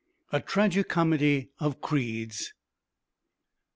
_A Tragi Comedy of Creeds.